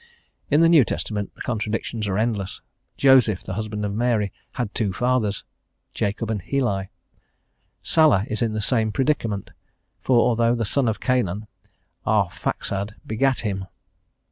In the New Testament the contradictions are endless; Joseph, the husband of Mary, had two fathers, Jacob and Heli; Salah is in the same predicament, for although the son of Canaan, Arphaxad begat him.